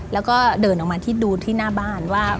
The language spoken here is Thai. แล้วก็เดินออกมาที่ดูที่หน้าบ้านว่า